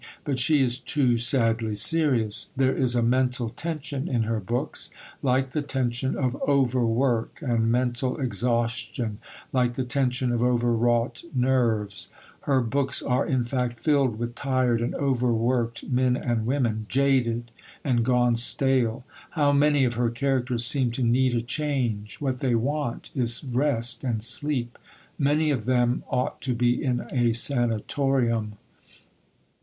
But she is too sadly serious. There is a mental tension in her books, like the tension of overwork and mental exhaustion, like the tension of overwrought nerves; her books are, in fact, filled with tired and overworked men and women, jaded and gone stale. How many of her characters seem to need a change what they want is rest and sleep! Many of them ought to be in a sanatorium.